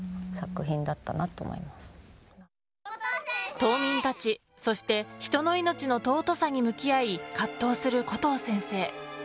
島民たち、そして人の命の尊さに向き合い葛藤するコトー先生。